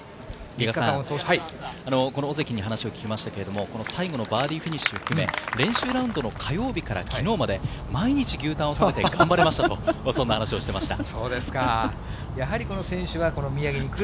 外賀さん、この尾関に話を聞きましたけれども、この最後のバーディーフィニッシュを含め、練習ラウンドの火曜日からきのうまで、毎日牛たんを食べて頑張りましたと、そんな話をしていました。